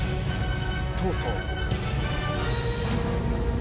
とうとう。